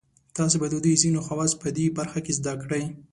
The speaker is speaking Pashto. تاسې به د دوی ځینې خواص په دې برخه کې زده کړئ.